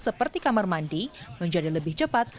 seperti kamar mandi menjadi lebih cepat